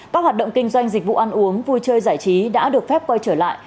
các hoạt động kinh doanh dịch vụ ăn uống vui chơi giải trí đã được phép quay trở lại